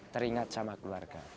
teringat sama keluarga